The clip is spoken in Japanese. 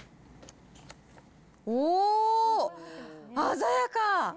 おー、鮮やか！